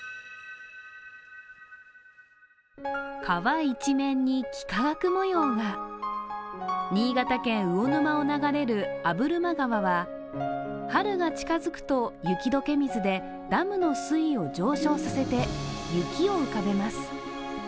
川一面に幾何学模様が、新潟県魚沼を流れる破間川は春が近づくと雪解け水でダムの水位を上昇させて雪を浮かべます。